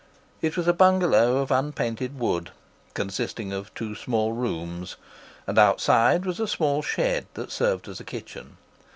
It was a bungalow of unpainted wood, consisting of two small rooms, and outside was a small shed that served as a kitchen.